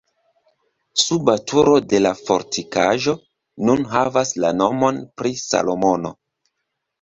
Suba turo de la fortikaĵo nun havas la nomon pri Salomono.